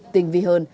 tình vì hơn